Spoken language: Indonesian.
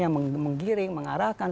yang menggiring mengarahkan